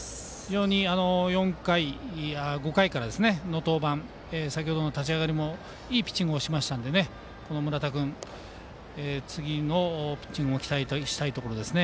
５回から先程の立ち上がりもいいピッチングをしたので村田君、次のピッチングも期待したいです。